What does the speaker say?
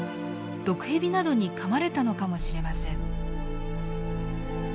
毒ヘビなどにかまれたのかもしれません。